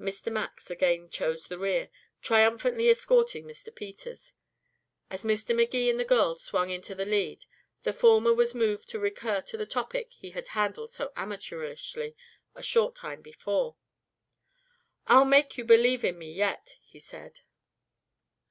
Mr. Max again chose the rear, triumphantly escorting Mr. Peters. As Mr. Magee and the girl swung into the lead, the former was moved to recur to the topic he had handled so amateurishly a short time before. "I'll make you believe in me yet," he said.